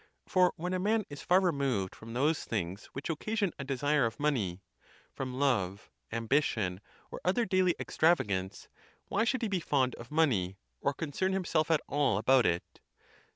For when a man is far removed from those things which occasion a desire of money, from love, ambition, or other daily ex travagance, why should he be fond of money, or concern himself. at all about it?